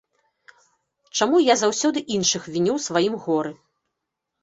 Чаму я заўсёды іншых віню ў сваім горы?